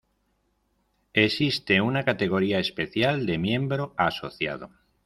Existe una categoría especial de "miembro asociado".